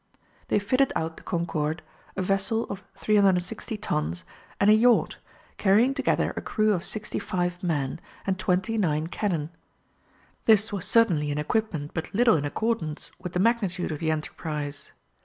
They fitted out the Concorde, a vessel of 360 tons, and a yacht, carrying together a crew of sixty five men, and twenty nine cannon. This was certainly an equipment but little in accordance with the magnitude of the enterprise.